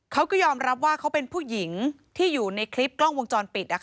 เขาก็ยอมรับว่าเขาเป็นผู้หญิงที่อยู่ในคลิปกล้องวงจรปิด